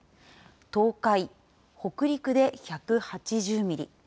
東海、北陸で１８０ミリ。